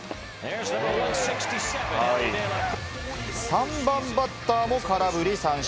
３番バッターも空振り三振。